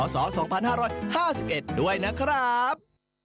๒๕๕๑ด้วยนะครับ